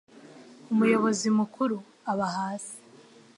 Umuyobozi mukuru aba hasi.